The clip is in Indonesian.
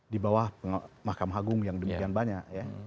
di bawah mahkamah agung yang demikian banyak ya